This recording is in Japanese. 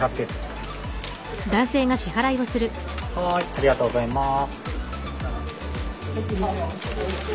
ありがとうございます。